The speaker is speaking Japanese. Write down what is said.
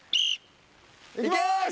いきます！